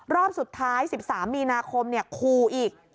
รอบสุดท้าย๑๓มีนาคมคู่อีก